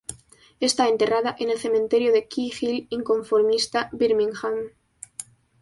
Está enterrada en el Cementerio de Key Hill inconformista, Birmingham.